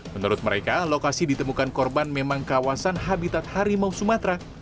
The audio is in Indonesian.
menurut mereka lokasi ditemukan korban memang kawasan habitat harimau sumatera